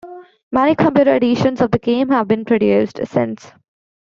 Many computer editions of the game have been produced since.